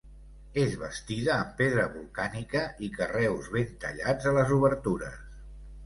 És bastida amb pedra volcànica i carreus ben tallats a les obertures.